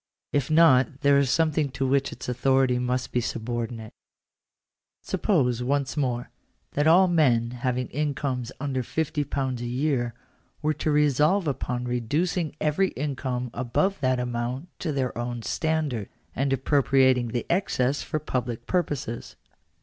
If not there is something to which its authority must be subordinate. Sup pose, once more, that all men having incomes under £50 a year p Digitized by VjOOQIC 210 THE RIGHT TO IGNORE THE STATE. were to resolve upon reducing every income above that amount to their own standard, and appropriating the excess for public purposes.